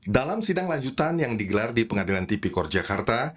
dalam sidang lanjutan yang digelar di pengadilan tipikor jakarta